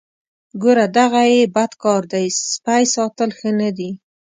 ګوره دغه یې بد کار دی سپی ساتل ښه نه دي.